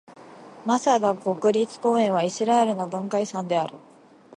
マサダ国立公園はイスラエルの文化遺産である。